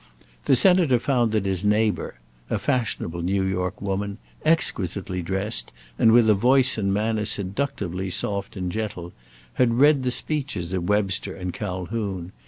The Senator found that his neighbour a fashionable New York woman, exquisitely dressed, and with a voice and manner seductively soft and gentle had read the speeches of Webster and Calhoun.